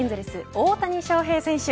大谷翔平選手